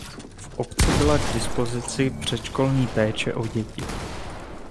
V obci byla k dispozici předškolní péče o děti.